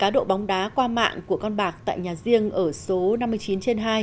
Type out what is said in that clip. đổ bóng đá qua mạng của con bạc tại nhà riêng ở số năm mươi chín trên hai